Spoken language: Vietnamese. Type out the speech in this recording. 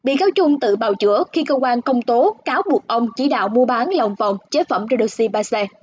bị cáo trung tự bào chữa khi cơ quan công tố cáo buộc ông chỉ đạo mua bán lòng vòng chế phẩm redoxi ba c